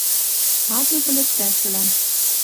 Ат уж ӹлӹштӓшвлӓм.